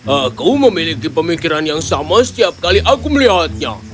aku memiliki pemikiran yang sama setiap kali aku melihatnya